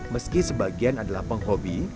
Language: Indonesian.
meski sebagian adalah penghobi